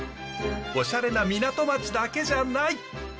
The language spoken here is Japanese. おしゃれな港町だけじゃない！